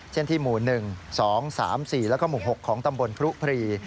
เช่นที่หมู่๑๒๓๔แล้วก็หมู่๖ของตำบลพรุพรี